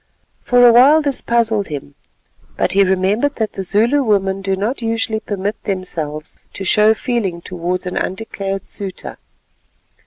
For a while this puzzled him, but he remembered that the Zulu women do not usually permit themselves to show feeling towards an undeclared suitor.